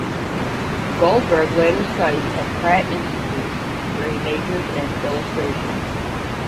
Goldberg later studied at Pratt Institute, where he majored in illustration.